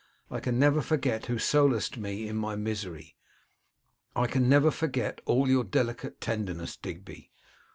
I can never forget who solaced me in my misery; I can never forget all your delicate tenderness, Digby.